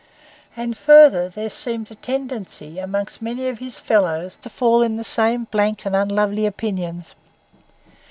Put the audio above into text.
And further, there seemed a tendency among many of his fellows to fall into the same blank and unlovely opinions.